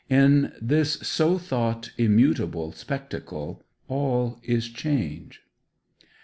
In this so thought immutable spectacle all is change.